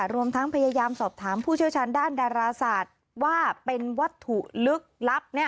รวมทั้งพยายามสอบถามผู้เชี่ยวชาญด้านดาราศาสตร์ว่าเป็นวัตถุลึกลับ